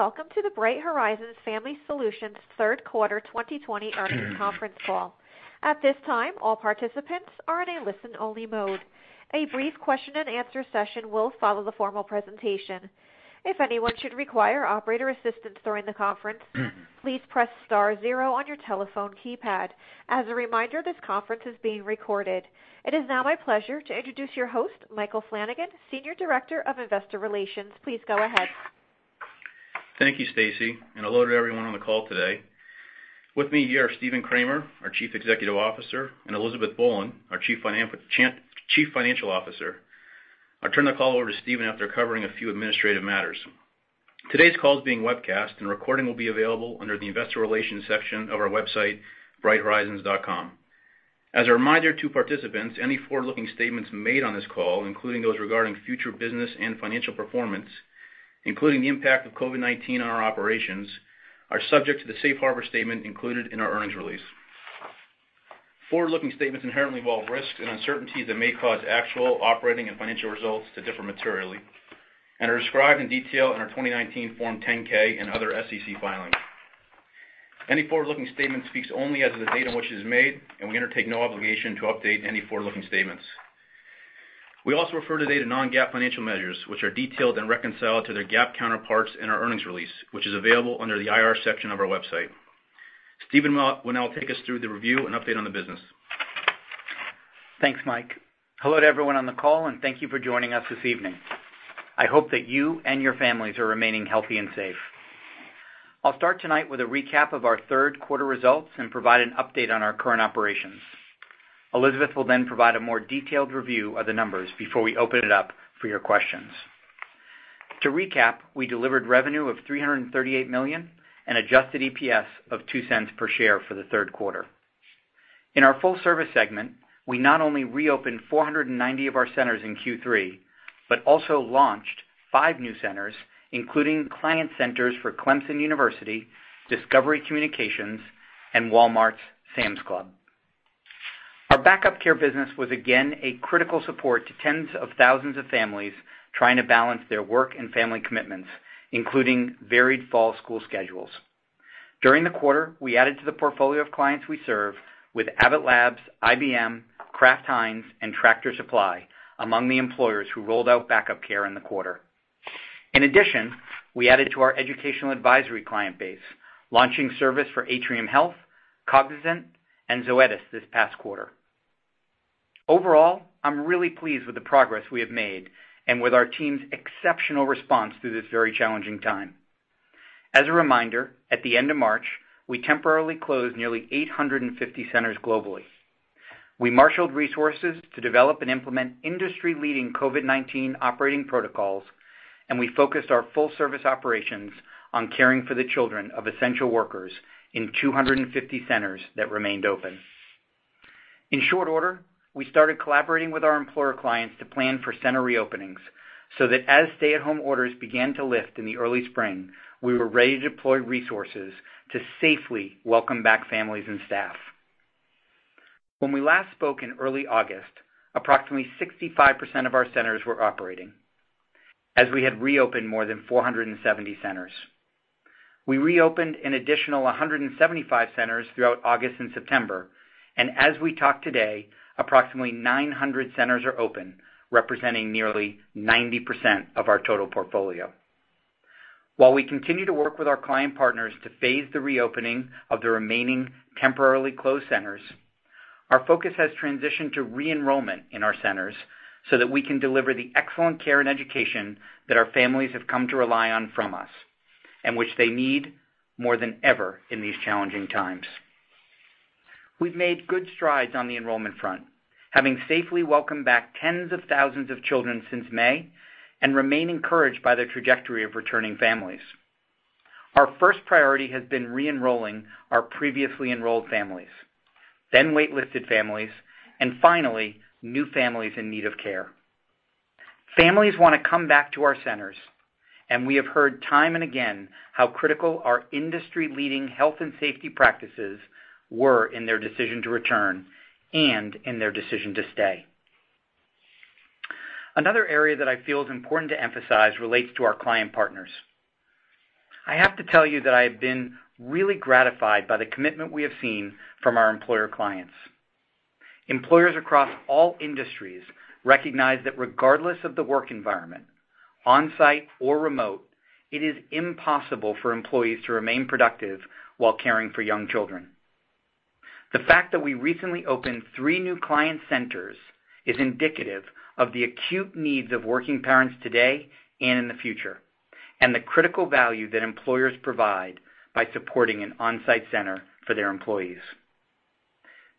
Welcome to the Bright Horizons Family Solutions Q3 2020 earnings conference call. At this time, all participants are in a listen-only mode. A brief question and answer session will follow the formal presentation. If anyone should require operator assistance during the conference, please press star zero on your telephone keypad. As a reminder, this conference is being recorded. It is now my pleasure to introduce your host, Michael Flanagan, Senior Director of Investor Relations. Please go ahead. Thank you, Stacey, hello to everyone on the call today. With me here are Stephen Kramer, our Chief Executive Officer, and Elizabeth Boland, our Chief Financial Officer. I'll turn the call over to Stephen after covering a few administrative matters. Today's call is being webcast and a recording will be available under the investor relations section of our website, BrightHorizons.com. As a reminder to participants, any forward-looking statements made on this call, including those regarding future business and financial performance, including the impact of COVID-19 on our operations, are subject to the safe harbor statement included in our earnings release. Forward-looking statements inherently involve risks and uncertainties that may cause actual operating and financial results to differ materially and are described in detail in our 2019 Form 10-K and other SEC filings. Any forward-looking statement speaks only as of the date on which it is made, and we undertake no obligation to update any forward-looking statements. We also refer today to non-GAAP financial measures, which are detailed and reconciled to their GAAP counterparts in our earnings release, which is available under the IR section of our website. Stephen will now take us through the review and update on the business. Thanks, Michael. Hello to everyone on the call, and thank you for joining us this evening. I hope that you and your families are remaining healthy and safe. I'll start tonight with a recap of our Q3 results and provide an update on our current operations. Elizabeth will provide a more detailed review of the numbers before we open it up for your questions. To recap, we delivered revenue of $338 million and adjusted EPS of $0.02 per share for the Q3. In our full-service segment, we not only reopened 490 of our centers in Q3, but also launched five new centers, including client centers for Clemson University, Discovery Communications, and Walmart's Sam's Club. Our backup care business was again a critical support to tens of thousands of families trying to balance their work and family commitments, including varied fall school schedules. During the quarter, we added to the portfolio of clients we serve with Abbott Labs, IBM, Kraft Heinz, and Tractor Supply among the employers who rolled out backup care in the quarter. In addition, we added to our educational advisory client base, launching service for Atrium Health, Cognizant, and Zoetis this past quarter. Overall, I'm really pleased with the progress we have made and with our team's exceptional response through this very challenging time. As a reminder, at the end of March, we temporarily closed nearly 850 centers globally. We marshaled resources to develop and implement industry-leading COVID-19 operating protocols, and we focused our full-service operations on caring for the children of essential workers in 250 centers that remained open. In short order, we started collaborating with our employer clients to plan for center reopenings so that as stay-at-home orders began to lift in the early spring, we were ready to deploy resources to safely welcome back families and staff. When we last spoke in early August, approximately 65% of our centers were operating as we had reopened more than 470 centers. We reopened an additional 175 centers throughout August and September, and as we talk today, approximately 900 centers are open, representing nearly 90% of our total portfolio. While we continue to work with our client partners to phase the reopening of the remaining temporarily closed centers, our focus has transitioned to re-enrollment in our centers so that we can deliver the excellent care and education that our families have come to rely on from us, and which they need more than ever in these challenging times. We've made good strides on the enrollment front, having safely welcomed back tens of thousands of children since May and remain encouraged by the trajectory of returning families. Our first priority has been re-enrolling our previously enrolled families, then wait-listed families, and finally, new families in need of care. Families want to come back to our centers. We have heard time and again how critical our industry-leading health and safety practices were in their decision to return and in their decision to stay. Another area that I feel is important to emphasize relates to our client partners. I have to tell you that I have been really gratified by the commitment we have seen from our employer clients. Employers across all industries recognize that regardless of the work environment, on-site or remote, it is impossible for employees to remain productive while caring for young children. The fact that we recently opened three new client centers is indicative of the acute needs of working parents today and in the future, and the critical value that employers provide by supporting an on-site center for their employees.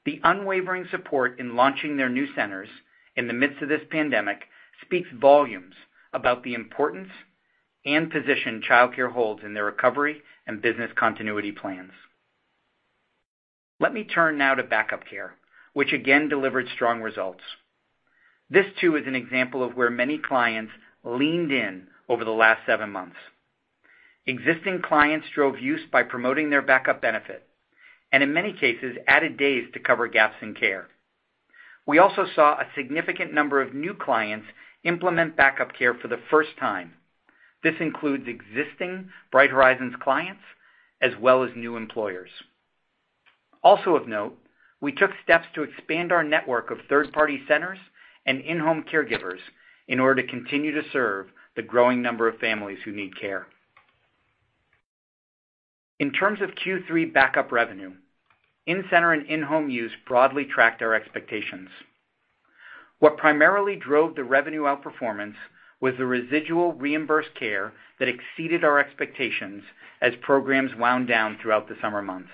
The unwavering support in launching their new centers in the midst of this pandemic speaks volumes about the importance and position child care holds in their recovery and business continuity plans. Let me turn now to backup care, which again delivered strong results. This too is an example of where many clients leaned in over the last seven months. Existing clients drove use by promoting their backup benefit, and in many cases, added days to cover gaps in care. We also saw a significant number of new clients implement backup care for the first time. This includes existing Bright Horizons clients, as well as new employers. Also of note, we took steps to expand our network of third-party centers and in-home caregivers in order to continue to serve the growing number of families who need care. In terms of Q3 backup revenue, in-center and in-home use broadly tracked our expectations. What primarily drove the revenue outperformance was the residual reimbursed care that exceeded our expectations as programs wound down throughout the summer months.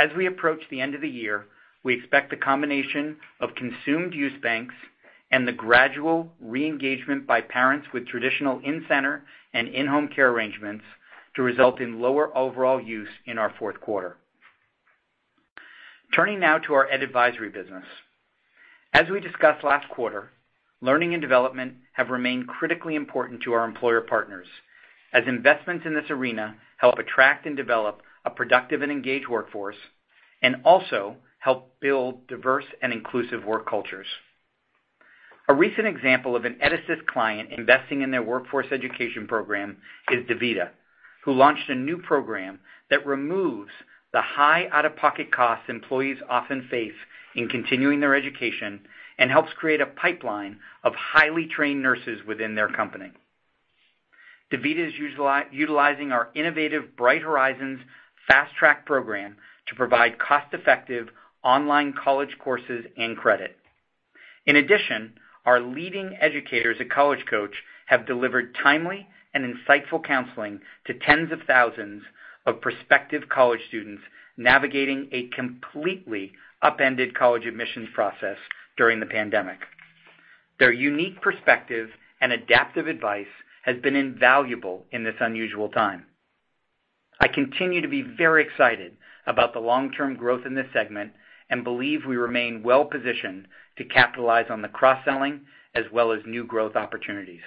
As we approach the end of the year, we expect the combination of consumed use banks and the gradual re-engagement by parents with traditional in-center and in-home care arrangements to result in lower overall use in our Q4. Turning now to our ed advisory business. As we discussed last quarter, learning and development have remained critically important to our employer partners as investments in this arena help attract and develop a productive and engaged workforce, and also help build diverse and inclusive work cultures. A recent example of an EdAssist client investing in their workforce education program is DaVita, who launched a new program that removes the high out-of-pocket costs employees often face in continuing their education and helps create a pipeline of highly trained nurses within their company. DaVita is utilizing our innovative Bright Horizons FastTrack program to provide cost-effective online college courses and credit. In addition, our leading educators at College Coach have delivered timely and insightful counseling to tens of thousands of prospective college students navigating a completely upended college admissions process during the pandemic. Their unique perspective and adaptive advice has been invaluable in this unusual time. I continue to be very excited about the long-term growth in this segment and believe we remain well-positioned to capitalize on the cross-selling as well as new growth opportunities.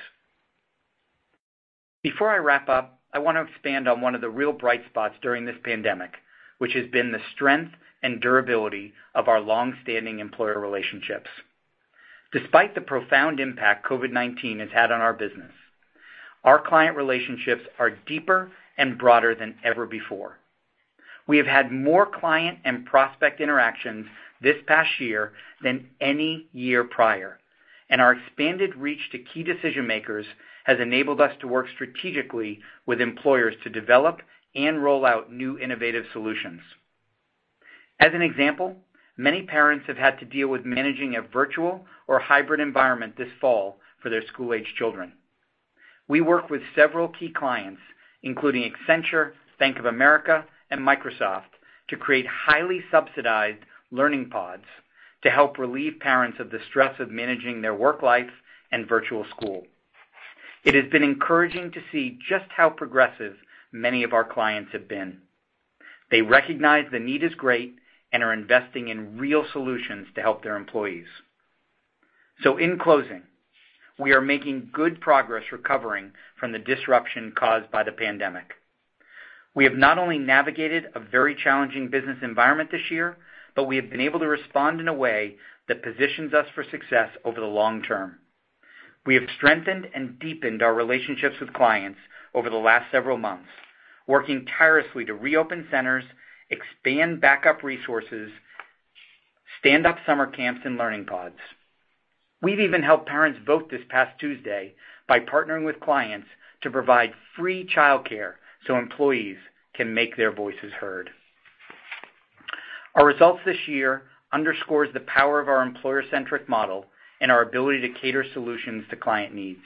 Before I wrap up, I want to expand on one of the real bright spots during this pandemic, which has been the strength and durability of our long-standing employer relationships. Despite the profound impact COVID-19 has had on our business, our client relationships are deeper and broader than ever before. We have had more client and prospect interactions this past year than any year prior, and our expanded reach to key decision-makers has enabled us to work strategically with employers to develop and roll out new innovative solutions. As an example, many parents have had to deal with managing a virtual or hybrid environment this fall for their school-age children. We work with several key clients, including Accenture, Bank of America, and Microsoft, to create highly subsidized learning pods to help relieve parents of the stress of managing their work life and virtual school. It has been encouraging to see just how progressive many of our clients have been. They recognize the need is great and are investing in real solutions to help their employees. In closing, we are making good progress recovering from the disruption caused by the pandemic. We have not only navigated a very challenging business environment this year, but we have been able to respond in a way that positions us for success over the long term. We have strengthened and deepened our relationships with clients over the last several months, working tirelessly to reopen centers, expand backup resources, stand up summer camps and learning pods. We've even helped parents vote this past Tuesday by partnering with clients to provide free childcare so employees can make their voices heard. Our results this year underscore the power of our employer-centric model and our ability to cater solutions to client needs.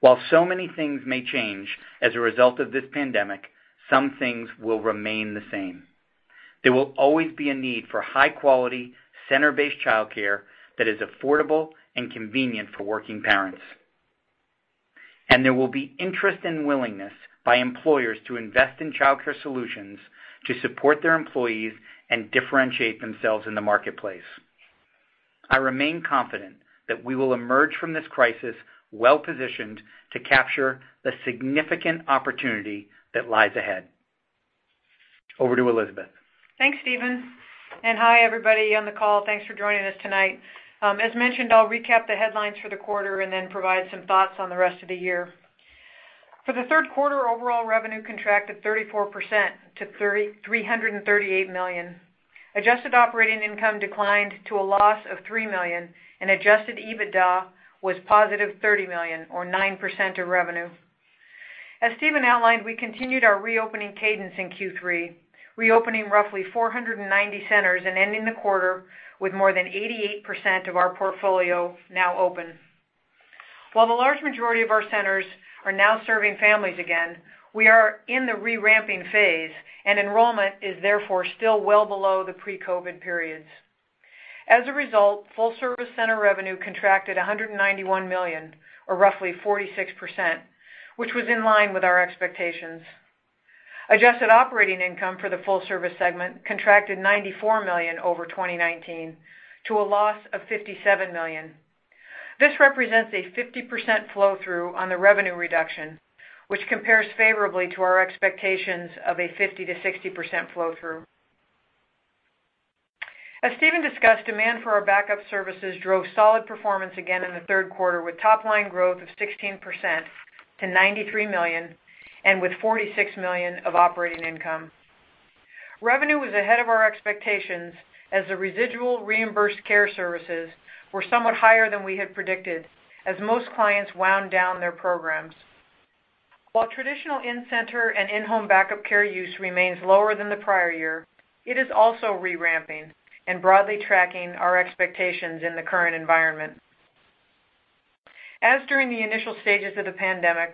While so many things may change as a result of this pandemic, some things will remain the same. There will always be a need for high quality, center-based childcare that is affordable and convenient for working parents. There will be interest and willingness by employers to invest in childcare solutions to support their employees and differentiate themselves in the marketplace. I remain confident that we will emerge from this crisis well-positioned to capture the significant opportunity that lies ahead. Over to Elizabeth. Thanks, Stephen, and hi, everybody on the call. Thanks for joining us tonight. As mentioned, I'll recap the headlines for the quarter and then provide some thoughts on the rest of the year. For the Q3, overall revenue contracted 34% to $338 million. Adjusted operating income declined to a loss of $3 million, and adjusted EBITDA was positive $30 million or 9% of revenue. As Stephen outlined, we continued our reopening cadence in Q3, reopening roughly 490 centers and ending the quarter with more than 88% of our portfolio now open. While the large majority of our centers are now serving families again, we are in the re-ramping phase, and enrollment is therefore still well below the pre-COVID-19 periods. As a result, full-service center revenue contracted $191 million or roughly 46%, which was in line with our expectations. Adjusted operating income for the full-service segment contracted $94 million over 2019 to a loss of $57 million. This represents a 50% flow-through on the revenue reduction, which compares favorably to our expectations of a 50%-60% flow-through. As Stephen discussed, demand for our backup services drove solid performance again in the Q3, with top-line growth of 16% to $93 million and with $46 million of operating income. Revenue was ahead of our expectations as the residual reimbursed care services were somewhat higher than we had predicted as most clients wound down their programs. While traditional in-center and in-home backup care use remains lower than the prior year, it is also re-ramping and broadly tracking our expectations in the current environment. As during the initial stages of the pandemic,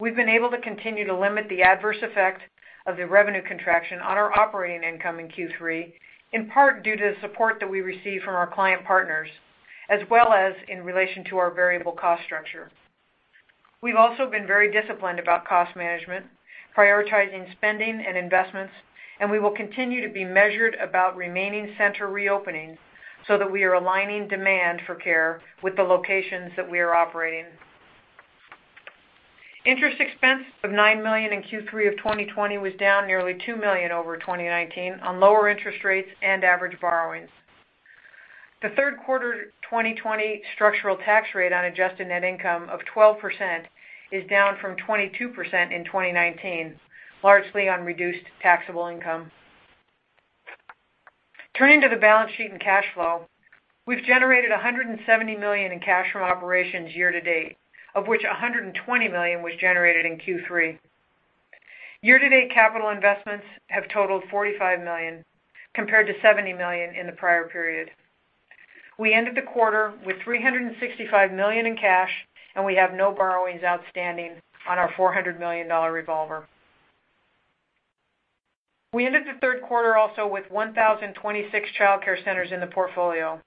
we've been able to continue to limit the adverse effect of the revenue contraction on our operating income in Q3, in part due to the support that we receive from our client partners, as well as in relation to our variable cost structure. We've also been very disciplined about cost management, prioritizing spending and investments, and we will continue to be measured about remaining center reopenings so that we are aligning demand for care with the locations that we are operating. Interest expense of $9 million in Q3 of 2020 was down nearly $2 million over 2019 on lower interest rates and average borrowings. The Q3 2020 structural tax rate on adjusted net income of 12% is down from 22% in 2019, largely on reduced taxable income. Turning to the balance sheet and cash flow, we've generated $170 million in cash from operations year-to-date, of which $120 million was generated in Q3. Year-to-date capital investments have totaled $45 million, compared to $70 million in the prior period. We ended the quarter with $365 million in cash, and we have no borrowings outstanding on our $400 million revolver. We ended the Q3 also with 1,026 childcare centers in the portfolio.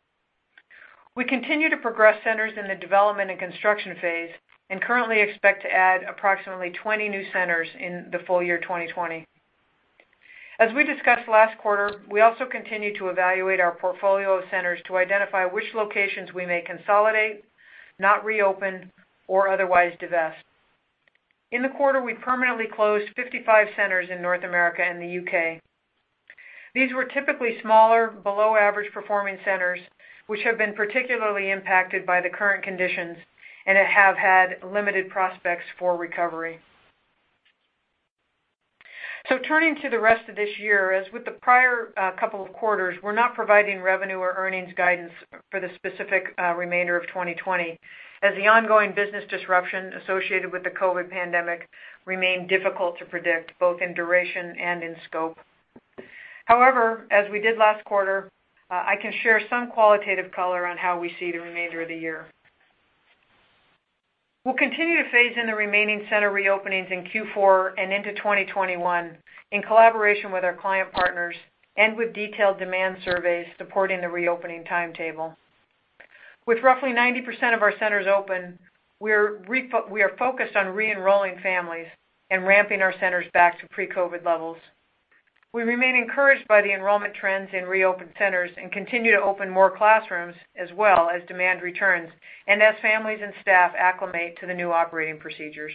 We continue to progress centers in the development and construction phase and currently expect to add approximately 20 new centers in the full year 2020. As we discussed last quarter, we also continue to evaluate our portfolio of centers to identify which locations we may consolidate, not reopen, or otherwise divest. In the quarter, we permanently closed 55 centers in North America and the U.K. These were typically smaller, below-average performing centers, which have been particularly impacted by the current conditions and have had limited prospects for recovery. Turning to the rest of this year, as with the prior couple of quarters, we're not providing revenue or earnings guidance for the specific remainder of 2020, as the ongoing business disruption associated with the COVID-19 pandemic remain difficult to predict, both in duration and in scope. However, as we did last quarter, I can share some qualitative color on how we see the remainder of the year. We'll continue to phase in the remaining center reopenings in Q4 and into 2021 in collaboration with our client partners and with detailed demand surveys supporting the reopening timetable. With roughly 90% of our centers open, we are focused on re-enrolling families and ramping our centers back to pre-COVID-19 levels. We remain encouraged by the enrollment trends in reopened centers and continue to open more classrooms as well as demand returns and as families and staff acclimate to the new operating procedures.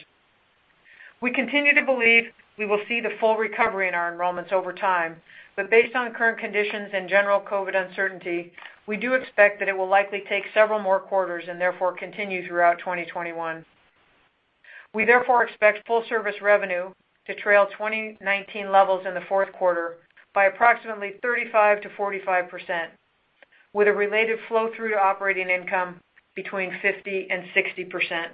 We continue to believe we will see the full recovery in our enrollments over time, but based on current conditions and general COVID uncertainty, we do expect that it will likely take several more quarters and therefore continue throughout 2021. We therefore expect full-service revenue to trail 2019 levels in the Q4 by approximately 35%-45%, with a related flow-through to operating income between 50% and 60%.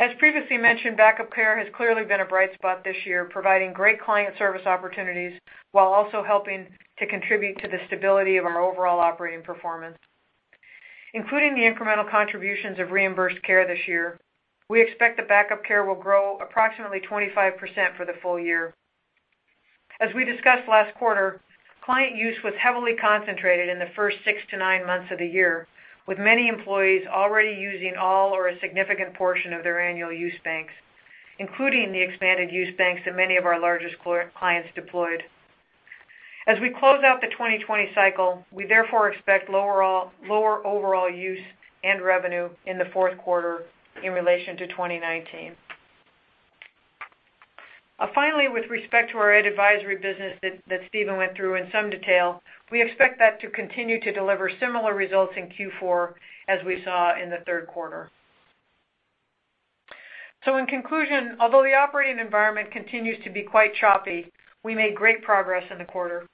As previously mentioned, backup care has clearly been a bright spot this year, providing great client service opportunities while also helping to contribute to the stability of our overall operating performance. Including the incremental contributions of reimbursed care this year, we expect the backup care will grow approximately 25% for the full year. As we discussed last quarter, client use was heavily concentrated in the first six to nine months of the year, with many employees already using all or a significant portion of their annual use banks, including the expanded use banks that many of our largest clients deployed. As we close out the 2020 cycle, we therefore expect lower overall use and revenue in the Q4 in relation to 2019. Finally, with respect to our Ed advisory business that Stephen went through in some detail, we expect that to continue to deliver similar results in Q4 as we saw in the Q3. In conclusion, although the operating environment continues to be quite choppy, we made great progress in the quarter.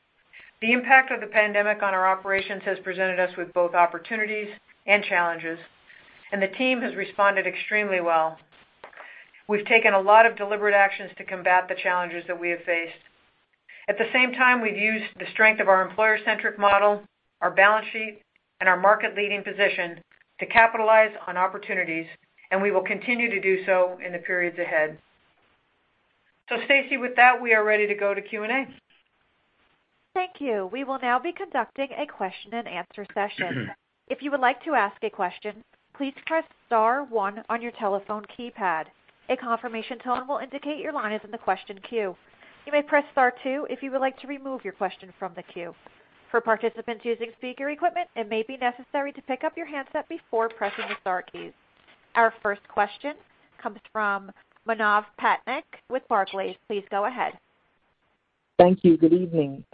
The impact of the pandemic on our operations has presented us with both opportunities and challenges, and the team has responded extremely well. We've taken a lot of deliberate actions to combat the challenges that we have faced. At the same time, we've used the strength of our employer-centric model, our balance sheet, and our market-leading position to capitalize on opportunities, and we will continue to do so in the periods ahead. Stacey, with that, we are ready to go to Q&A. Thank you. We will now be conducting a question and answer session. If you would like to ask a question, please press star one on your telephone keypad. A confirmation tone will indicate your line is in the question queue. You may press star two if you would like to remove your question from the queue. For participants using speaker equipment, it may be necessary to pick up your handset before pressing the star keys. Our first question comes from Manav Patnaik with Barclays. Please go ahead. Thank you. Good evening.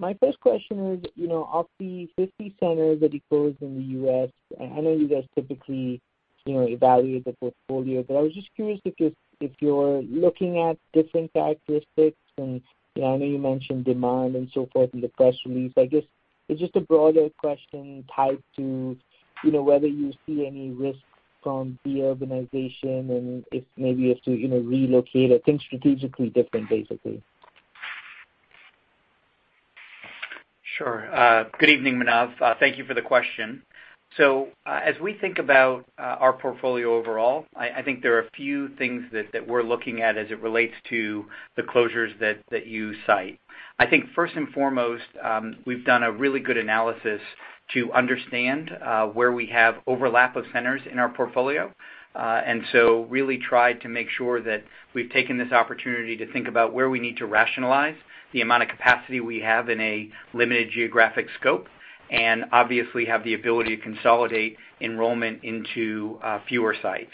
My first question is, of the 50 centers that you closed in the U.S., I know you guys typically evaluate the portfolio, but I was just curious if you're looking at different characteristics and, I know you mentioned demand and so forth in the press release. I guess it's just a broader question tied to whether you see any risk from de-urbanization and if maybe you have to relocate or think strategically different, basically. Sure. Good evening, Manav. Thank you for the question. As we think about our portfolio overall, I think there are a few things that we're looking at as it relates to the closures that you cite. I think first and foremost, we've done a really good analysis to understand where we have overlap of centers in our portfolio. Really tried to make sure that we've taken this opportunity to think about where we need to rationalize the amount of capacity we have in a limited geographic scope, and obviously have the ability to consolidate enrollment into fewer sites.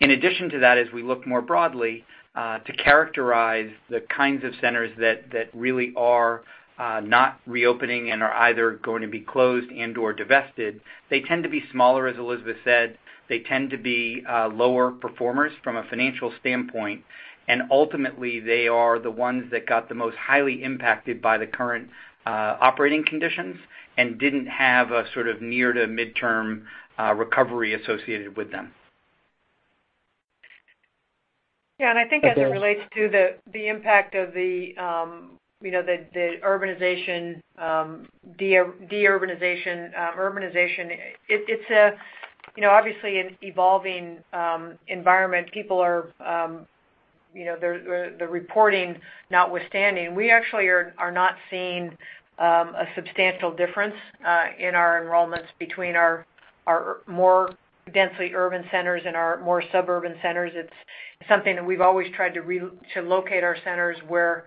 In addition to that, as we look more broadly, to characterize the kinds of centers that really are not reopening and are either going to be closed and/or divested, they tend to be smaller, as Elizabeth said. They tend to be lower performers from a financial standpoint, and ultimately, they are the ones that got the most highly impacted by the current operating conditions and didn't have a sort of near to midterm recovery associated with them. Yeah, I think as it relates to the impact of the urbanization, de-urbanization. It's obviously an evolving environment. The reporting notwithstanding, we actually are not seeing a substantial difference in our enrollments between our more densely urban centers and our more suburban centers. It's something that we've always tried to locate our centers where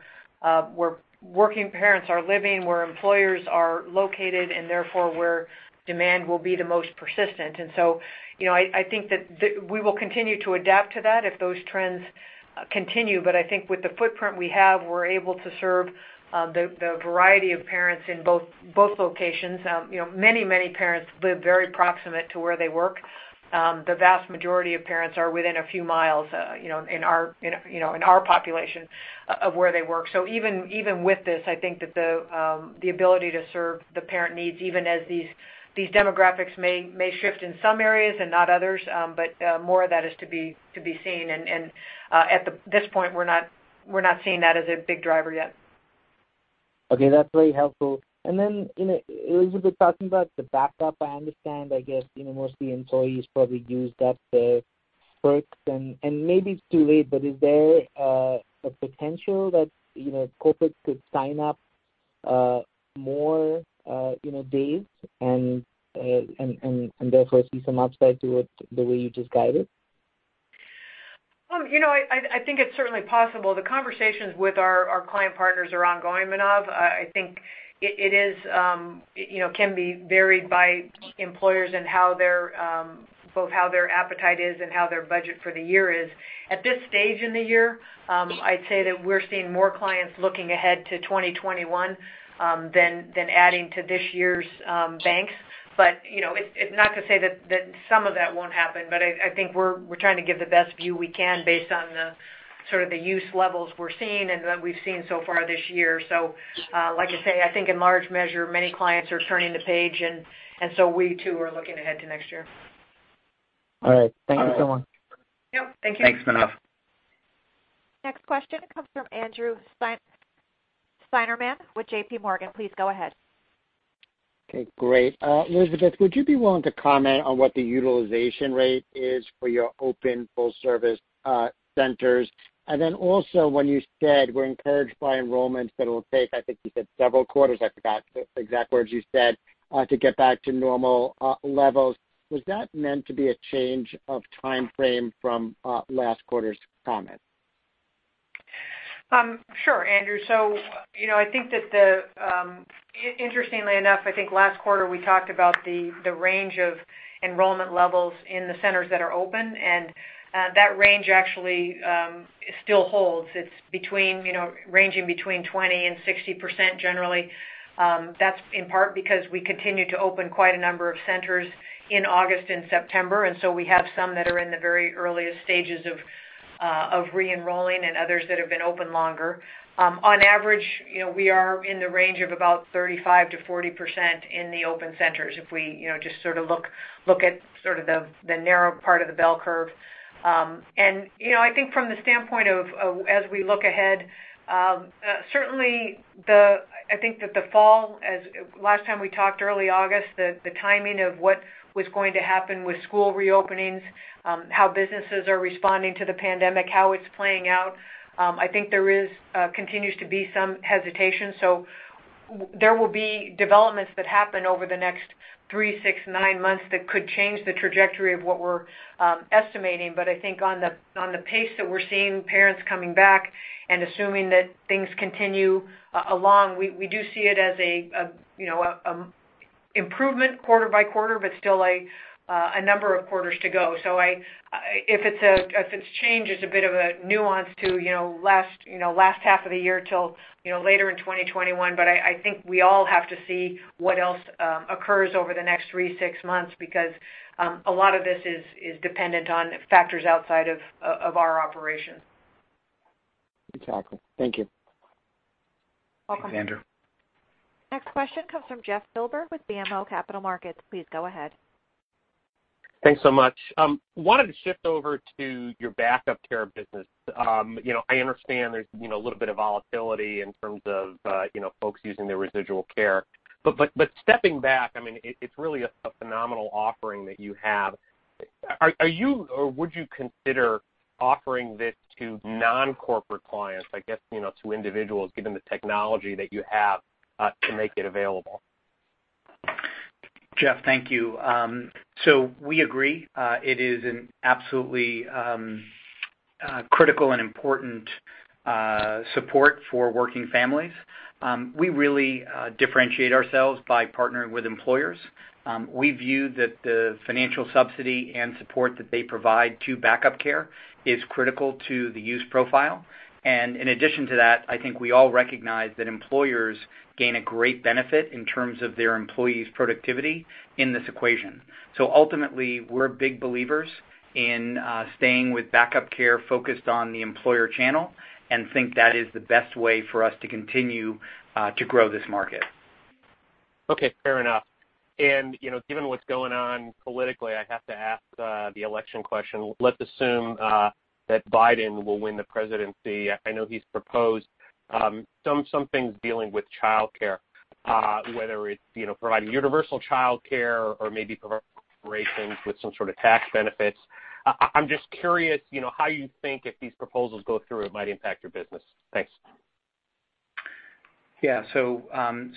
working parents are living, where employers are located, and therefore, where demand will be the most persistent. I think that we will continue to adapt to that if those trends continue. I think with the footprint we have, we're able to serve the variety of parents in both locations. Many parents live very proximate to where they work. The vast majority of parents are within a few miles in our population of where they work. Even with this, I think that the ability to serve the parent needs, even as these demographics may shift in some areas and not others, but more of that is to be seen. At this point, we're not seeing that as a big driver yet. Okay, that's really helpful. Elizabeth talking about the backup, I understand, I guess, most of the employees probably used up the perks and maybe it's too late, but is there a potential that corporate could sign up more days and therefore see some upside to it the way you just guided? I think it's certainly possible. The conversations with our client partners are ongoing, Manav. I think it can be varied by employers and both how their appetite is and how their budget for the year is. At this stage in the year, I'd say that we're seeing more clients looking ahead to 2021, than adding to this year's banks. It's not to say that some of that won't happen, but I think we're trying to give the best view we can based on the sort of the use levels we're seeing and that we've seen so far this year. Like I say, I think in large measure, many clients are turning the page, and so we too are looking ahead to next year. All right. Thank you so much. Yep. Thank you. Thanks, Manav. Next question comes from Andrew Steinerman with JPMorgan. Please go ahead. Okay, great. Elizabeth, would you be willing to comment on what the utilization rate is for your open full-service centers? Also when you said, "We're encouraged by enrollments that it'll take," I think you said several quarters, I forgot the exact words you said, "to get back to normal levels." Was that meant to be a change of timeframe from last quarter's comment? Sure, Andrew. Interestingly enough, I think last quarter we talked about the range of enrollment levels in the centers that are open. That range actually still holds. It's ranging between 20%-60% generally. That's in part because we continue to open quite a number of centers in August and September. We have some that are in the very earliest stages of re-enrolling and others that have been open longer. On average, we are in the range of about 35%-40% in the open centers if we just sort of look at the narrow part of the bell curve. I think from the standpoint of as we look ahead, certainly I think that the fall as last time we talked early August, the timing of what was going to happen with school re-openings, how businesses are responding to the pandemic, how it's playing out, I think there continues to be some hesitation. There will be developments that happen over the next three, six, nine months that could change the trajectory of what we're estimating. I think on the pace that we're seeing parents coming back and assuming that things continue along, we do see it as an improvement quarter by quarter, but still a number of quarters to go. If it's change, it's a bit of a nuance to last half of the year till later in 2021. I think we all have to see what else occurs over the next three, six months, because a lot of this is dependent on factors outside of our operation. Exactly. Thank you. Welcome. Thank Andrew. Next question comes from Jeff Silber with BMO Capital Markets. Please go ahead. Thanks so much. Wanted to shift over to your backup care business. I understand there's a little bit of volatility in terms of folks using their residual care. Stepping back, it's really a phenomenal offering that you have. Are you, or would you consider offering this to non-corporate clients, I guess, to individuals, given the technology that you have to make it available? Jeff, thank you. We agree, it is an absolutely critical and important support for working families. We really differentiate ourselves by partnering with employers. We view that the financial subsidy and support that they provide to backup care is critical to the use profile. In addition to that, I think we all recognize that employers gain a great benefit in terms of their employees' productivity in this equation. Ultimately, we're big believers in staying with backup care focused on the employer channel, and think that is the best way for us to continue to grow this market. Okay, fair enough. Given what's going on politically, I have to ask the election question. Let's assume that Biden will win the presidency. I know he's proposed some things dealing with childcare, whether it's providing universal childcare or maybe providing corporations with some sort of tax benefits. I'm just curious, how you think if these proposals go through, it might impact your business. Thanks.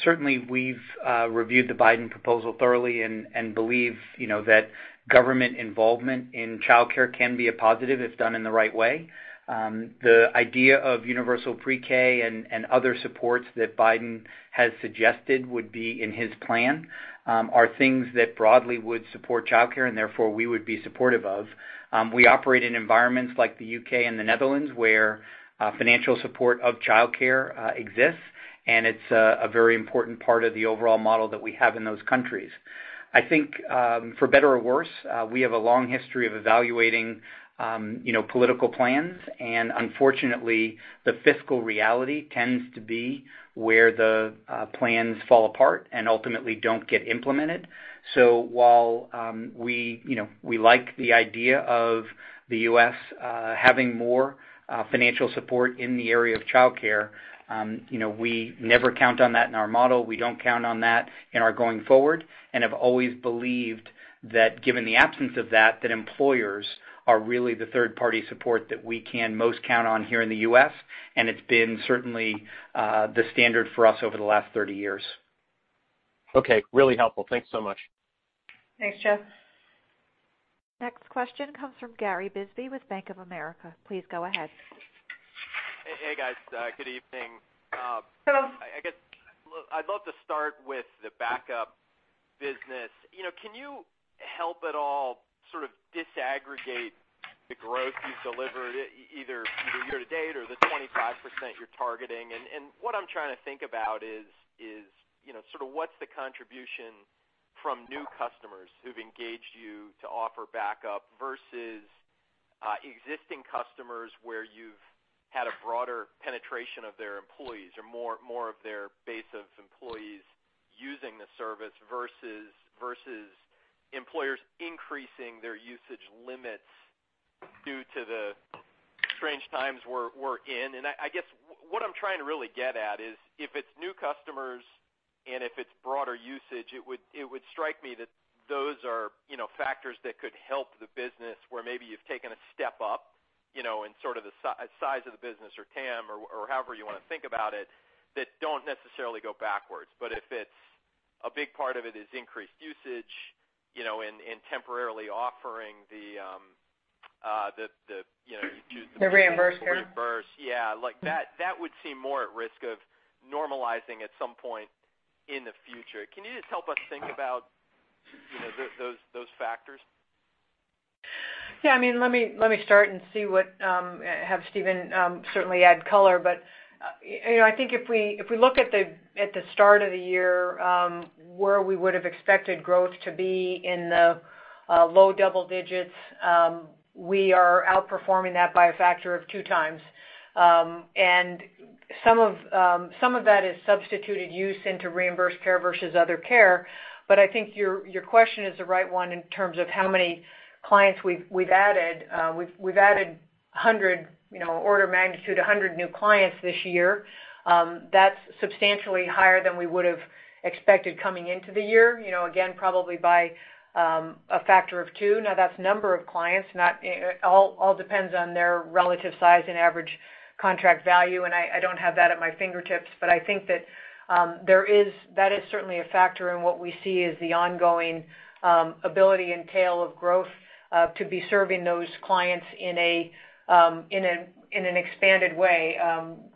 Certainly we've reviewed the Biden proposal thoroughly and believe that government involvement in childcare can be a positive if done in the right way. The idea of universal pre-K and other supports that Biden has suggested would be in his plan, are things that broadly would support childcare and therefore we would be supportive of. We operate in environments like the U.K. and the Netherlands, where financial support of childcare exists, and it's a very important part of the overall model that we have in those countries. I think, for better or worse, we have a long history of evaluating political plans, and unfortunately, the fiscal reality tends to be where the plans fall apart and ultimately don't get implemented. While we like the idea of the U.S. having more financial support in the area of childcare, we never count on that in our model. We don't count on that in our going forward and have always believed that given the absence of that employers are really the third-party support that we can most count on here in the U.S., and it's been certainly the standard for us over the last 30 years. Okay. Really helpful. Thanks so much. Thanks, Jeff. Next question comes from Gary Bisbee with Bank of America. Please go ahead. Hey, guys. Good evening. Hello. I guess I'd love to start with the backup business. Can you help at all sort of disaggregate the growth you've delivered, either year-to-date or the 25% you're targeting? What I'm trying to think about is sort of what's the contribution from new customers who've engaged you to offer backup versus existing customers where you've had a broader penetration of their employees or more of their base of employees using the service versus employers increasing their usage limits due to the strange times we're in. I guess what I'm trying to really get at is if it's new customers and if it's broader usage, it would strike me that those are factors that could help the business where maybe you've taken a step up, in sort of the size of the business or TAM or however you want to think about it, that don't necessarily go backwards. If a big part of it is increased usage, in temporarily offering The reimbursed care. the reimbursed, yeah. That would seem more at risk of normalizing at some point in the future. Can you just help us think about those factors? Yeah. Let me start and have Stephen certainly add color. I think if we look at the start of the year, where we would've expected growth to be in the low double digits, we are outperforming that by a factor of two times. Some of that is substituted use into reimbursed care versus other care. I think your question is the right one in terms of how many clients we've added. We've added 100 order magnitude, 100 new clients this year. That's substantially higher than we would've expected coming into the year. Again, probably by a factor of two. Now, that's number of clients, all depends on their relative size and average contract value, and I don't have that at my fingertips. I think that is certainly a factor in what we see as the ongoing ability and tail of growth to be serving those clients in an expanded way.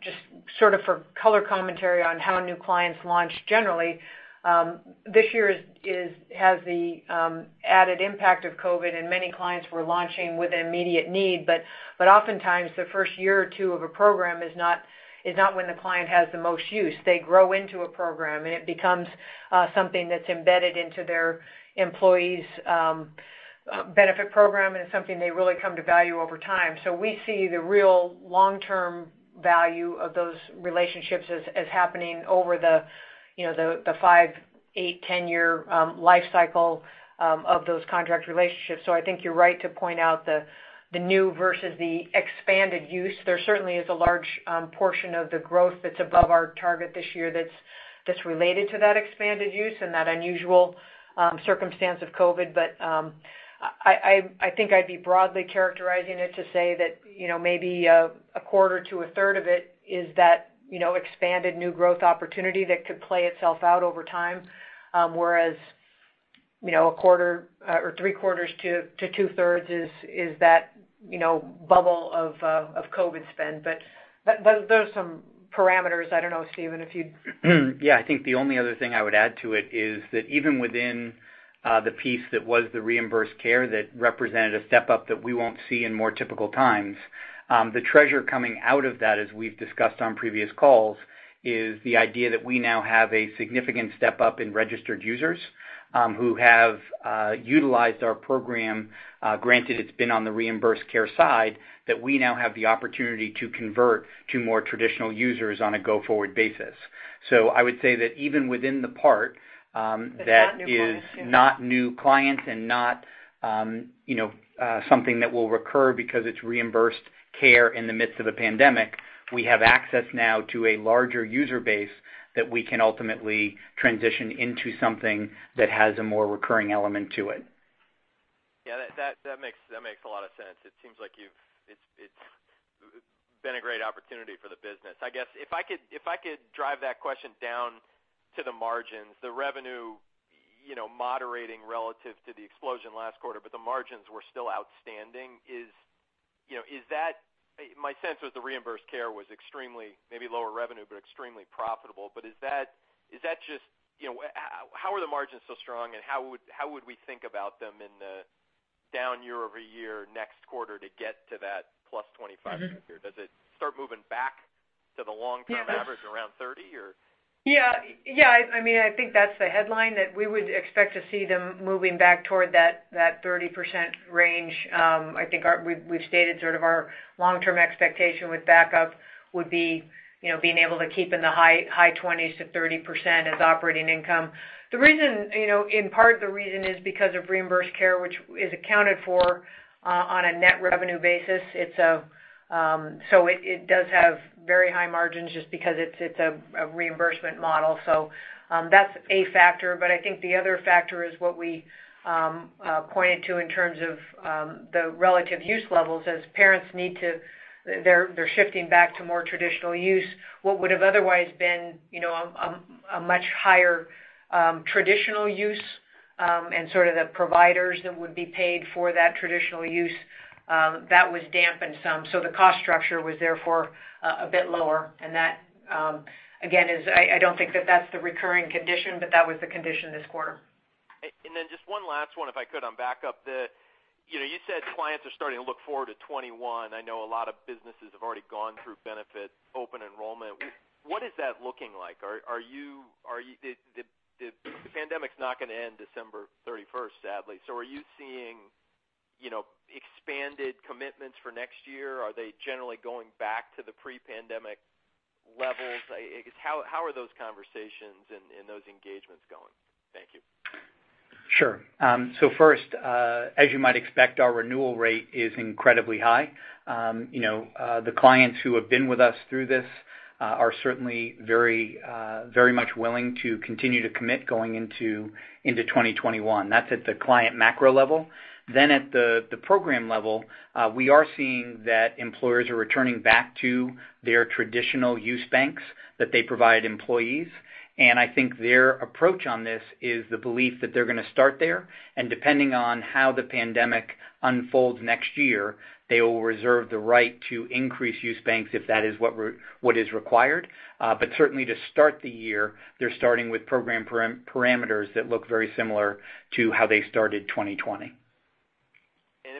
Just sort of for color commentary on how new clients launch generally, this year has the added impact of COVID and many clients were launching with an immediate need, but oftentimes the first year or two of a program is not when the client has the most use. They grow into a program, and it becomes something that's embedded into their employees' benefit program and is something they really come to value over time. We see the real long-term value of those relationships as happening over the five, eight, 10 year life cycle of those contract relationships. I think you're right to point out the new versus the expanded use. There certainly is a large portion of the growth that's above our target this year that's related to that expanded use and that unusual circumstance of COVID. I think I'd be broadly characterizing it to say that, maybe a quarter to a third of it is that expanded new growth opportunity that could play itself out over time. Three quarters to two thirds is that bubble of COVID spend. Those are some parameters. I don't know, Stephen, if you'd. I think the only other thing I would add to it is that even within the piece that was the reimbursed care, that represented a step up that we won't see in more typical times. The treasure coming out of that, as we've discussed on previous calls, is the idea that we now have a significant step up in registered users, who have utilized our program, granted it's been on the reimbursed care side, that we now have the opportunity to convert to more traditional users on a go-forward basis. Even within the cohort, that is not new clients and not something that will recur because it's reimbursed care in the midst of a pandemic, we have access now to a larger user base that we can ultimately transition into something that has a more recurring element to it. Yeah, that makes a lot of sense. It seems like it's been a great opportunity for the business. I guess if I could drive that question down to the margins, the revenue moderating relative to the explosion last quarter, but the margins were still outstanding. My sense was the reimbursed care was extremely, maybe lower revenue, but extremely profitable. How are the margins so strong, and how would we think about them in the down year-over-year, next quarter to get to that plus 25% figure? Does it start moving back to the long-term average around 30%? I think that's the headline, that we would expect to see them moving back toward that 30% range. I think we've stated sort of our long-term expectation with backup would be, being able to keep in the high 20s to 30% as operating income. In part, the reason is because of reimbursed care, which is accounted for on a net revenue basis. It does have very high margins just because it's a reimbursement model. That's a factor. I think the other factor is what we pointed to in terms of the relative use levels, as parents, they're shifting back to more traditional use. What would've otherwise been a much higher traditional use, and sort of the providers that would be paid for that traditional use, that was dampened some. The cost structure was therefore a bit lower, and that, again, I don't think that's the recurring condition, but that was the condition this quarter. Just one last one, if I could, on backup. You said clients are starting to look forward to 2021. I know a lot of businesses have already gone through benefit open enrollment. What is that looking like? The pandemic's not going to end 31 December, sadly. Are you seeing expanded commitments for next year? Are they generally going back to the pre-pandemic levels? I guess, how are those conversations and those engagements going? Thank you. Sure. First, as you might expect, our renewal rate is incredibly high. The clients who have been with us through this are certainly very much willing to continue to commit going into 2021. That's at the client macro level. At the program level, we are seeing that employers are returning back to their traditional use banks that they provide employees. I think their approach on this is the belief that they're going to start there, and depending on how the pandemic unfolds next year, they will reserve the right to increase use banks if that is what is required. Certainly to start the year, they're starting with program parameters that look very similar to how they started 2020.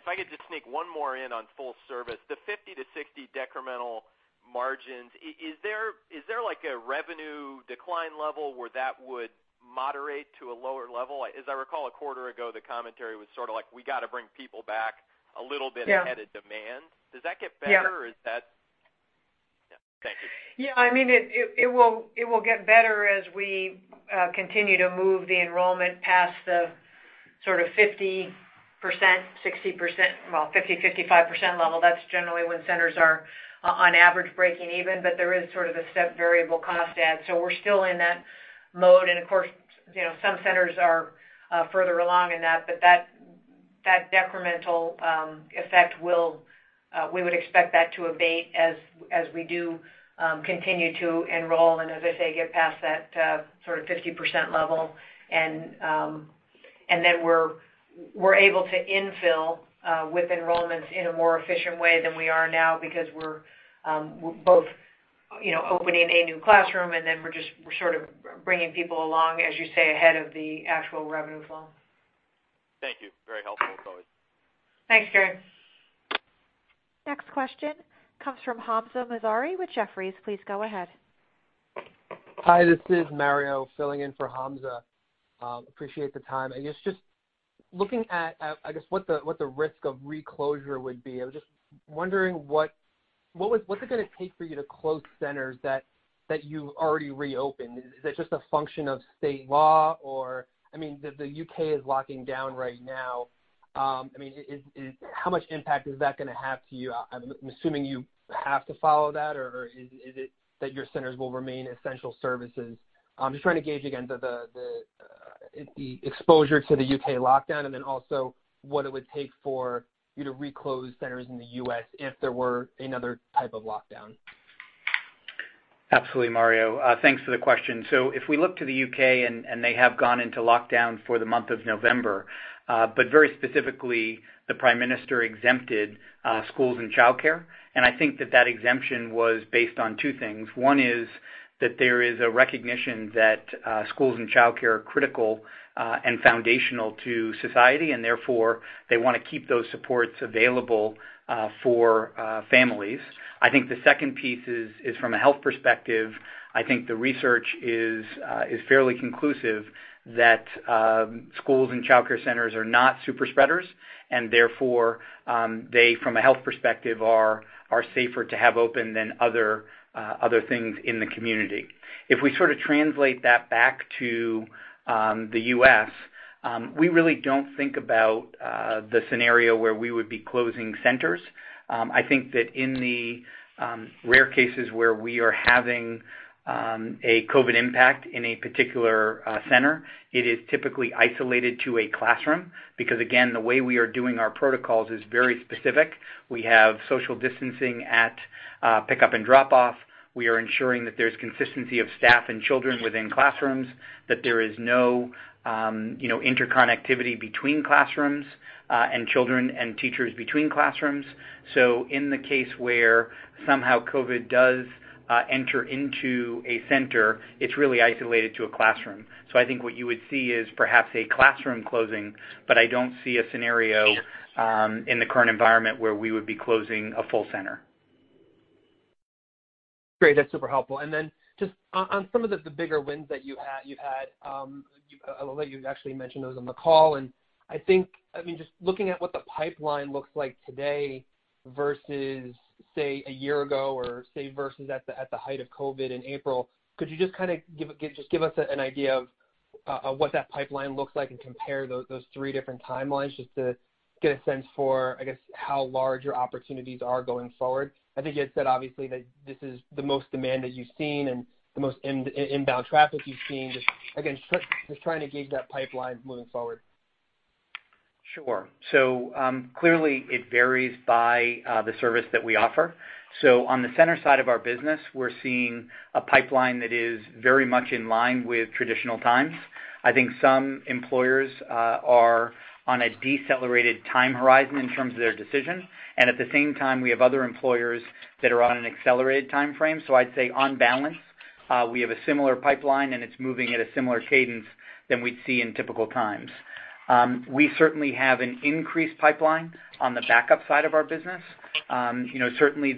If I could just sneak one more in on full service, the 50 to 60 decremental margins. Is there like a revenue decline level where that would moderate to a lower level? As I recall, a quarter ago, the commentary was sort of like, "We got to bring people back a little bit ahead of demand." Does that get better? Yeah. It will get better as we continue to move the enrollment past the 50%, 60%, well, 50%, 55% level. That's generally when centers are, on average, breaking even. There is a step variable cost add. We're still in that mode, and of course, some centers are further along in that, but that decremental effect, we would expect that to abate as we do continue to enroll and, as I say, get past that 50% level. We're able to infill with enrollments in a more efficient way than we are now because we're both opening a new classroom and then we're just bringing people along, as you say, ahead of the actual revenue flow. Thank you. Very helpful, as always. Thanks, Gary. Next question comes from Hamzah Mazari with Jefferies. Please go ahead. Hi, this is Mario filling in for Hamzah. Appreciate the time. I guess, just looking at, I guess, what the risk of reclosure would be, I was just wondering what's it going to take for you to close centers that you've already reopened? Is that just a function of state law? The U.K. is locking down right now. How much impact is that going to have to you? I'm assuming you have to follow that, or is it that your centers will remain essential services? I'm just trying to gauge, again, the exposure to the U.K. lockdown, then also what it would take for you to re-close centers in the U.S. if there were another type of lockdown. Absolutely, Mario. Thanks for the question. If we look to the U.K., and they have gone into lockdown for the month of November. Very specifically, the prime minister exempted schools and childcare, and I think that that exemption was based on two things. One is that there is a recognition that schools and childcare are critical and foundational to society, and therefore, they want to keep those supports available for families. I think the second piece is from a health perspective. I think the research is fairly conclusive that schools and childcare centers are not super spreaders, and therefore, they, from a health perspective, are safer to have open than other things in the community. If we translate that back to the U.S., we really don't think about the scenario where we would be closing centers. I think that in the rare cases where we are having a COVID impact in a particular center, it is typically isolated to a classroom, because again, the way we are doing our protocols is very specific. We have social distancing at pick-up and drop-off. We are ensuring that there's consistency of staff and children within classrooms, that there is no interconnectivity between classrooms, and children and teachers between classrooms. In the case where somehow COVID does enter into a center, it's really isolated to a classroom. I think what you would see is perhaps a classroom closing, but I don't see a scenario in the current environment where we would be closing a full center. Great. That's super helpful. Just on some of the bigger wins that you've had, I'll let you actually mention those on the call. I think, just looking at what the pipeline looks like today versus, say, a year ago, or say, versus at the height of COVID in April, could you just give us an idea of what that pipeline looks like and compare those three different timelines just to get a sense for, I guess, how large your opportunities are going forward? I think you had said, obviously, that this is the most demand that you've seen and the most inbound traffic you've seen. Just, again, just trying to gauge that pipeline moving forward. Sure. Clearly, it varies by the service that we offer. On the center side of our business, we're seeing a pipeline that is very much in line with traditional times. I think some employers are on a decelerated time horizon in terms of their decision. At the same time, we have other employers that are on an accelerated timeframe. I'd say, on balance, we have a similar pipeline, and it's moving at a similar cadence than we'd see in typical times. We certainly have an increased pipeline on the backup side of our business. Certainly,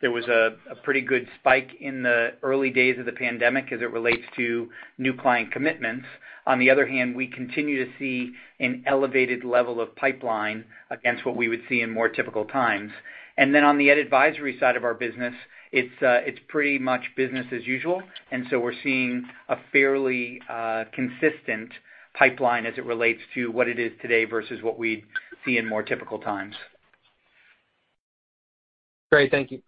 there was a pretty good spike in the early days of the pandemic as it relates to new client commitments. On the other hand, we continue to see an elevated level of pipeline against what we would see in more typical times. On the ed advisory side of our business, it's pretty much business as usual. We're seeing a fairly consistent pipeline as it relates to what it is today versus what we'd see in more typical times. Great. Thank you.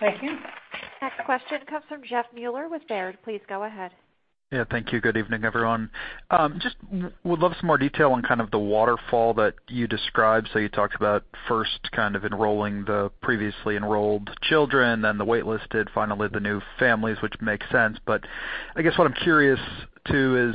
Thank you. Next question comes from Jeff Meuler with Baird. Please go ahead. Yeah. Thank you. Good evening, everyone. Just would love some more detail on kind of the waterfall that you described. You talked about first kind of enrolling the previously enrolled children, then the waitlisted, finally the new families, which makes sense. I guess what I'm curious, too,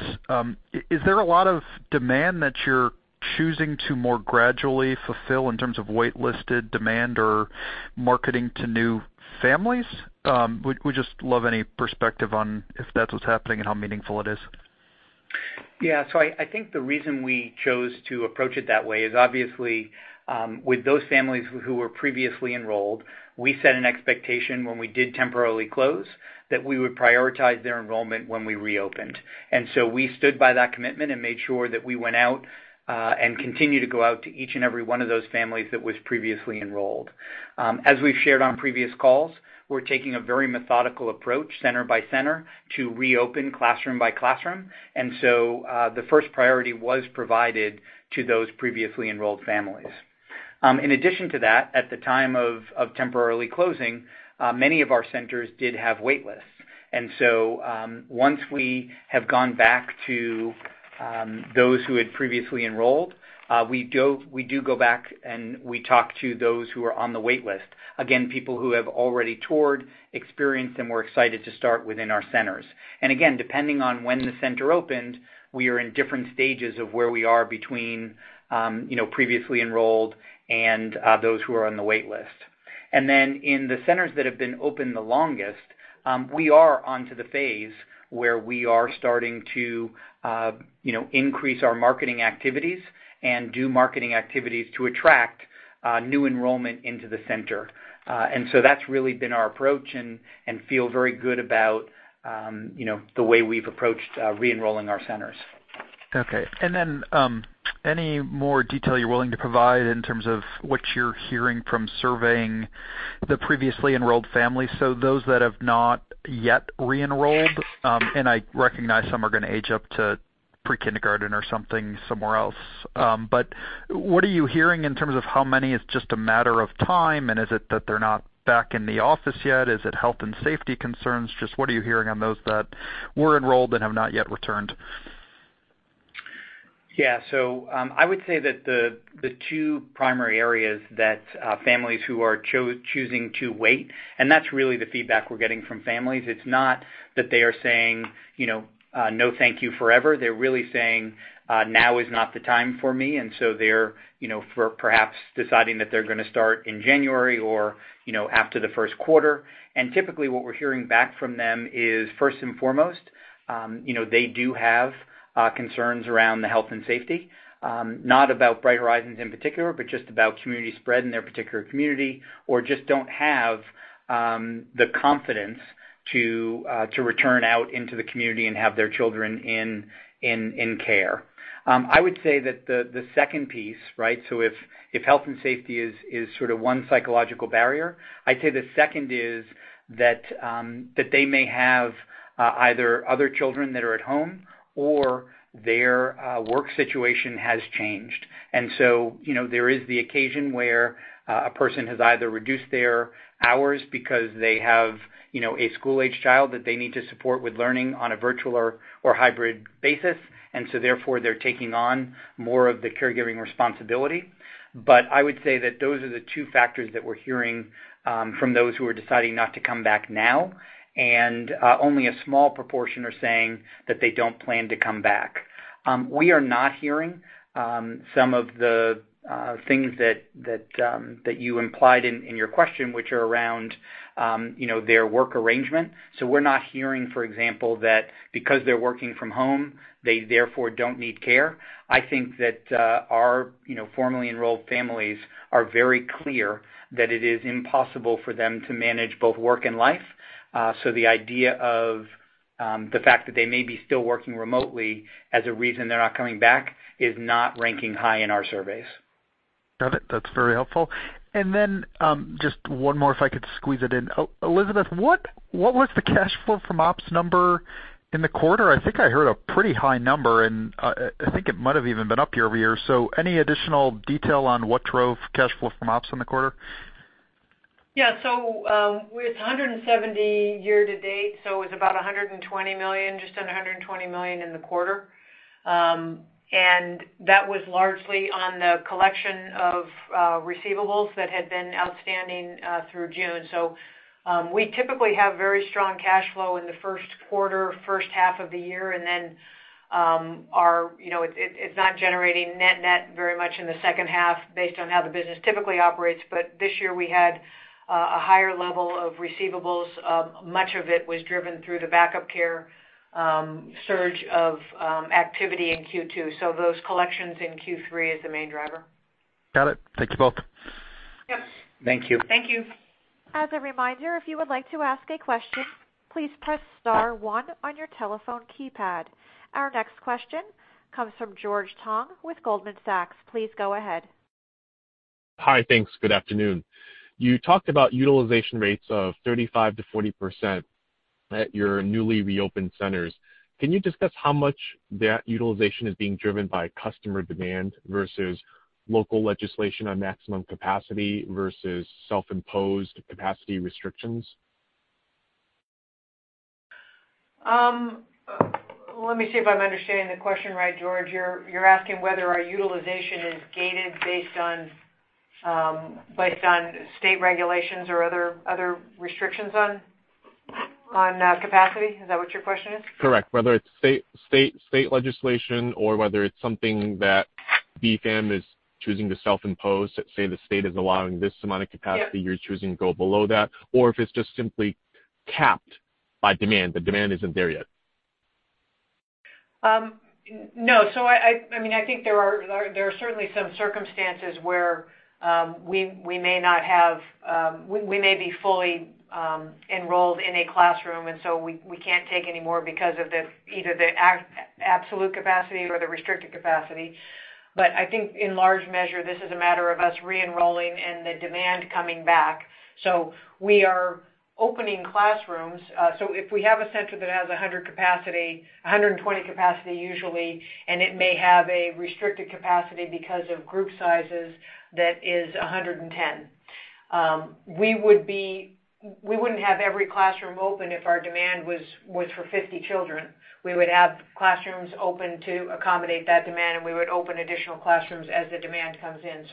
is there a lot of demand that you're choosing to more gradually fulfill in terms of waitlisted demand or marketing to new families? Would just love any perspective on if that's what's happening and how meaningful it is. I think the reason we chose to approach it that way is obviously, with those families who were previously enrolled, we set an expectation when we did temporarily close that we would prioritize their enrollment when we reopened. We stood by that commitment and made sure that we went out, and continue to go out to each and every one of those families that was previously enrolled. As we've shared on previous calls, we're taking a very methodical approach, center by center, to reopen classroom by classroom. The first priority was provided to those previously enrolled families. In addition to that, at the time of temporarily closing, many of our centers did have wait lists. Once we have gone back to those who had previously enrolled, we do go back and we talk to those who are on the wait list. People who have already toured, experienced, and were excited to start within our centers. Depending on when the center opened, we are in different stages of where we are between previously enrolled and those who are on the wait list. In the centers that have been open the longest, we are onto the phase where we are starting to increase our marketing activities and do marketing activities to attract new enrollment into the center. That's really been our approach and feel very good about the way we've approached re-enrolling our centers. Okay. Any more detail you're willing to provide in terms of what you're hearing from surveying the previously enrolled families? Those that have not yet re-enrolled, and I recognize some are going to age up to pre-kindergarten or something somewhere else. What are you hearing in terms of how many is just a matter of time, and is it that they're not back in the office yet? Is it health and safety concerns? Just what are you hearing on those that were enrolled but have not yet returned? Yeah. I would say that the two primary areas that families who are choosing to wait, that's really the feedback we're getting from families. It's not that they are saying, "No, thank you," forever. They're really saying, "Now is not the time for me." They're perhaps deciding that they're going to start in January or after the Q1. Typically, what we're hearing back from them is, first and foremost, they do have concerns around the health and safety. Not about Bright Horizons in particular, but just about community spread in their particular community, or just don't have the confidence to return out into the community and have their children in care. I would say that the second piece, so if health and safety is sort of one psychological barrier, I'd say the second is that they may have either other children that are at home or their work situation has changed. There is the occasion where a person has either reduced their hours because they have a school-age child that they need to support with learning on a virtual or hybrid basis, and so therefore, they're taking on more of the caregiving responsibility. I would say that those are the two factors that we're hearing from those who are deciding not to come back now, and only a small proportion are saying that they don't plan to come back. We are not hearing some of the things that you implied in your question, which are around their work arrangement. We're not hearing, for example, that because they're working from home, they therefore don't need care. I think that our formerly enrolled families are very clear that it is impossible for them to manage both work and life. The idea of the fact that they may be still working remotely as a reason they're not coming back is not ranking high in our surveys. Got it. That's very helpful. Just one more if I could squeeze it in. Elizabeth, what was the cash flow from ops number in the quarter? I think I heard a pretty high number, and I think it might have even been up year-over-year. Any additional detail on what drove cash flow from ops in the quarter? It's $170 year-to-date, so it was about $120 million, just under $120 million in the quarter. That was largely on the collection of receivables that had been outstanding through June. We typically have very strong cash flow in the Q1, H1 of the year, and then it's not generating net very much in the H2 based on how the business typically operates. This year, we had a higher level of receivables. Much of it was driven through the backup care surge of activity in Q2. Those collections in Q3 is the main driver. Got it. Thank you both. Yep. Thank you. Thank you. As a reminder, if you would like to ask a question, please press star one on your telephone keypad. Our next question comes from George Tong with Goldman Sachs. Please go ahead. Hi. Thanks. Good afternoon. You talked about utilization rates of 35%-40% at your newly reopened centers. Can you discuss how much that utilization is being driven by customer demand versus local legislation on maximum capacity versus self-imposed capacity restrictions? Let me see if I'm understanding the question right, George. You're asking whether our utilization is gated based on state regulations or other restrictions on capacity? Is that what your question is? Correct. Whether it's state legislation or whether it's something BFAM is choosing to self-impose. Let's say the state is allowing this amount of capacity. You're choosing to go below that, or if it's just simply capped by demand, but demand isn't there yet. No. I think there are certainly some circumstances where we may be fully enrolled in a classroom, and so we can't take any more because of either the absolute capacity or the restricted capacity. I think in large measure, this is a matter of us re-enrolling and the demand coming back. We are opening classrooms. If we have a center that has 100 capacity, 120 capacity usually, and it may have a restricted capacity because of group sizes, that is 110. We wouldn't have every classroom open if our demand was for 50 children. We would have classrooms open to accommodate that demand, and we would open additional classrooms as the demand comes in.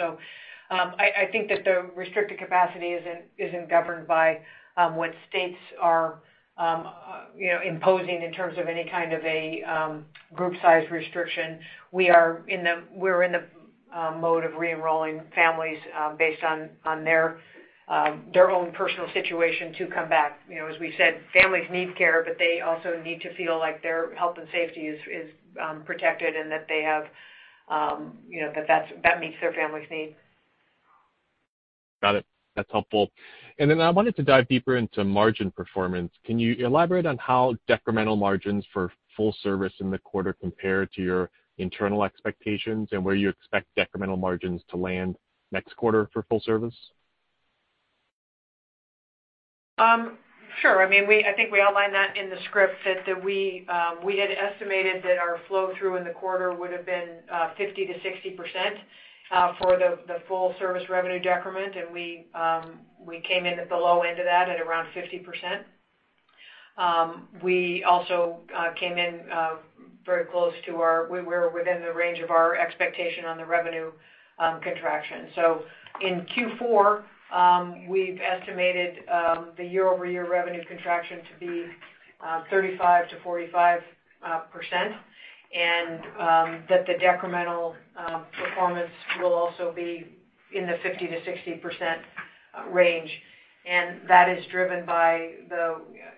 I think that the restricted capacity isn't governed by what states are imposing in terms of any kind of a group size restriction. We're in the mode of re-enrolling families, based on their own personal situation to come back. As we said, families need care, but they also need to feel like their health and safety is protected and that meets their family's needs. Got it. That's helpful. I wanted to dive deeper into margin performance. Can you elaborate on how decremental margins for full service in the quarter compare to your internal expectations and where you expect decremental margins to land next quarter for full service? Sure. I think we outlined that in the script that we had estimated that our flow-through in the quarter would have been 50%-60% for the full service revenue decrement, and we came in at the low end of that at around 50%. We also came in very close. We were within the range of our expectation on the revenue contraction. In Q4, we've estimated the year-over-year revenue contraction to be 35%-45%, and that the decremental performance will also be in the 50%-60% range. That is driven by,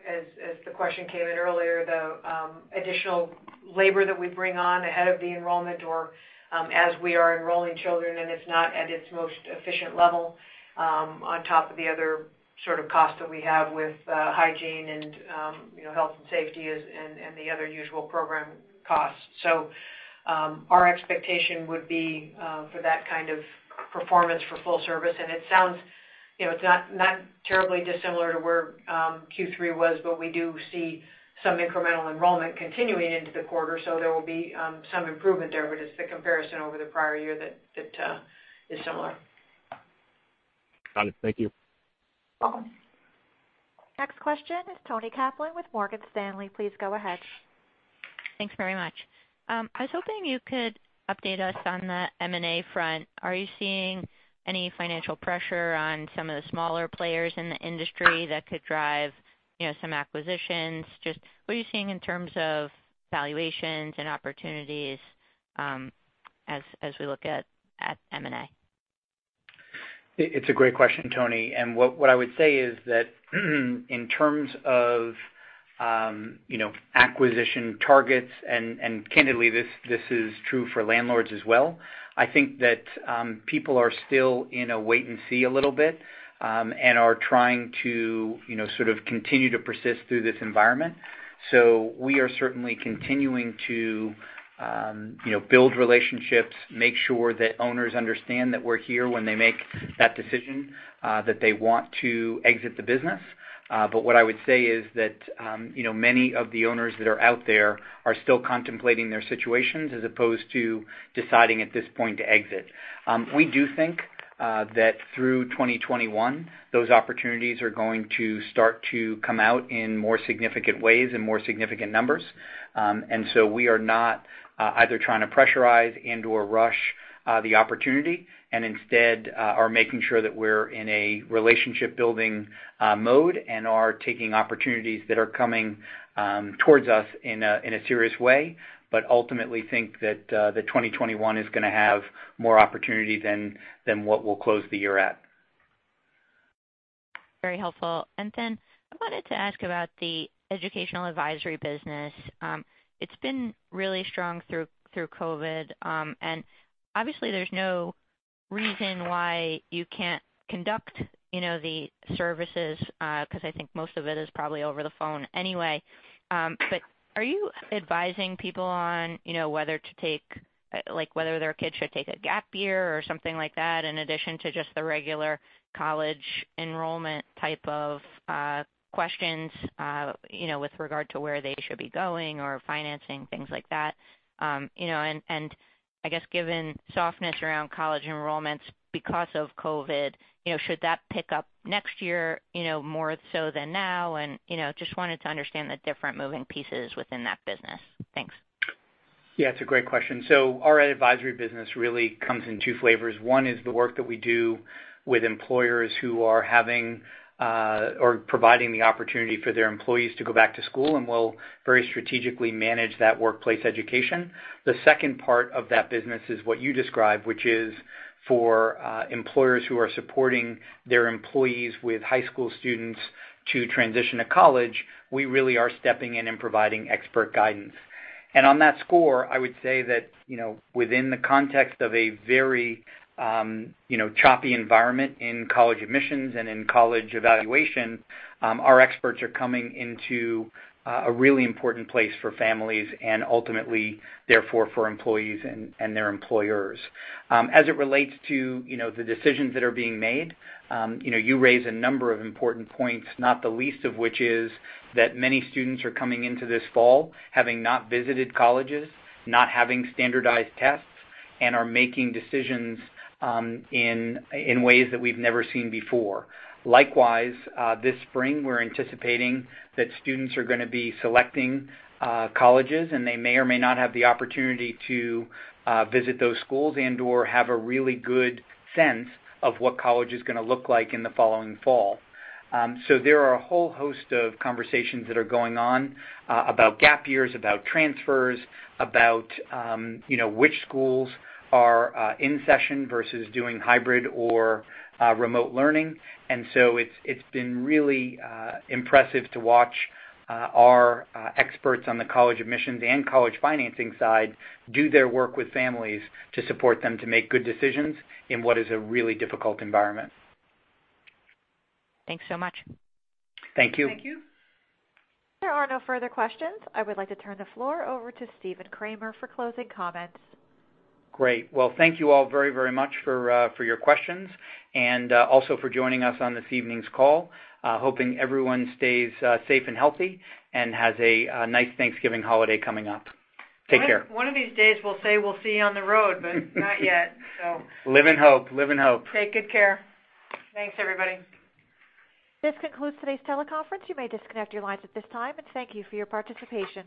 as the question came in earlier, the additional labor that we bring on ahead of the enrollment or as we are enrolling children, and it's not at its most efficient level, on top of the other sort of costs that we have with hygiene and health and safety and the other usual program costs. Our expectation would be for that kind of performance for full service, and it's not terribly dissimilar to where Q3 was. We do see some incremental enrollment continuing into the quarter, so there will be some improvement there. It's the comparison over the prior year that is similar. Got it. Thank you. Welcome. Next question is Toni Kaplan with Morgan Stanley. Please go ahead. Thanks very much. I was hoping you could update us on the M&A front. Are you seeing any financial pressure on some of the smaller players in the industry that could drive some acquisitions? Just, what are you seeing in terms of valuations and opportunities as we look at M&A? It's a great question, Toni. What I would say is that in terms of acquisition targets, and candidly, this is true for landlords as well, I think that people are still in a wait and see a little bit, and are trying to sort of continue to persist through this environment. We are certainly continuing to build relationships, make sure that owners understand that we're here when they make that decision that they want to exit the business. What I would say is that many of the owners that are out there are still contemplating their situations as opposed to deciding at this point to exit. We do think that through 2021, those opportunities are going to start to come out in more significant ways, in more significant numbers. We are not either trying to pressurize and/or rush the opportunity, and instead are making sure that we're in a relationship-building mode and are taking opportunities that are coming towards us in a serious way, but ultimately think that 2021 is going to have more opportunity than what we'll close the year at. Very helpful. Then I wanted to ask about the educational advisory business. It's been really strong through COVID. Obviously, there's no reason why you can't conduct the services, because I think most of it is probably over the phone anyway. Are you advising people on whether their kids should take a gap year or something like that, in addition to just the regular college enrollment type of questions, with regard to where they should be going or financing, things like that? I guess given softness around college enrollments because of COVID, should that pick up next year more so than now? Just wanted to understand the different moving pieces within that business. Thanks. It's a great question. Our advisory business really comes in two flavors. One is the work that we do with employers who are having or providing the opportunity for their employees to go back to school, and we'll very strategically manage that workplace education. The second part of that business is what you described, which is for employers who are supporting their employees with high school students to transition to college. We really are stepping in and providing expert guidance. On that score, I would say that within the context of a very choppy environment in college admissions and in college evaluation, our experts are coming into a really important place for families and ultimately, therefore, for employees and their employers. As it relates to the decisions that are being made, you raise a number of important points, not the least of which is that many students are coming into this fall having not visited colleges, not having standardized tests, and are making decisions in ways that we've never seen before. Likewise, this spring, we're anticipating that students are going to be selecting colleges, and they may or may not have the opportunity to visit those schools and/or have a really good sense of what college is going to look like in the following fall. There are a whole host of conversations that are going on about gap years, about transfers, about which schools are in session versus doing hybrid or remote learning. It's been really impressive to watch our experts on the college admissions and college financing side do their work with families to support them to make good decisions in what is a really difficult environment. Thanks so much. Thank you. Thank you. There are no further questions. I would like to turn the floor over to Stephen Kramer for closing comments. Great. Well, thank you all very much for your questions and also for joining us on this evening's call. Hoping everyone stays safe and healthy and has a nice Thanksgiving holiday coming up. Take care. One of these days we'll say we'll see you on the road, but not yet. Live in hope. Take good care. Thanks, everybody. This concludes today's teleconference. You may disconnect your lines at this time, and thank you for your participation.